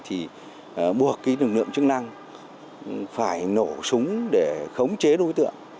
thì buộc lực lượng chức năng phải nổ súng để khống chế đối tượng